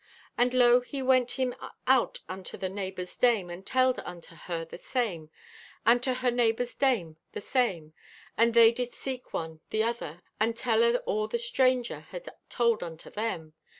"And lo, he went him out unto the neighbor's dame and telled unto her the same, and to her neighbor's dame the same, and they did seek one the other and tell o' all the stranger had told unto them.